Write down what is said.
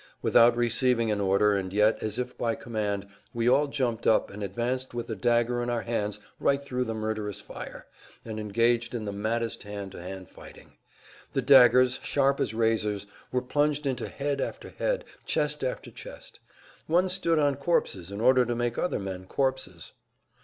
Without receiving an order and yet as if by command we all jumped up and advanced with the dagger in our hands right through the murderous fire, and engaged in the maddest hand to hand fighting. The daggers, sharp as razors, were plunged into head after head, chest after chest. One stood on corpses in order to make other men corpses.